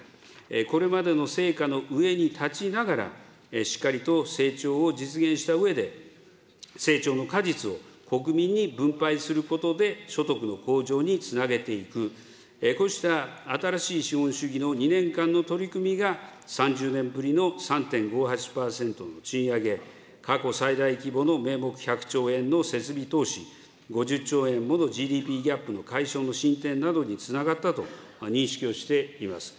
これまでの成果の上に立ちながら、しっかりと成長を実現したうえで、成長の果実を国民に分配することで所得の向上につなげていく、こうした新しい資本主義の２年間の取り組みが３０年ぶりの３．５８％の賃上げ、過去最大規模の名目１００兆円の設備投資、５０兆円ものＧＤＰギャップの解消の進展などにつながったと認識をしています。